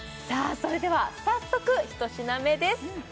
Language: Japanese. それでは早速１品目です